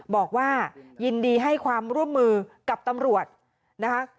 บอกว่ายินดีให้ความร่วมมือกับตำรวจนะคะ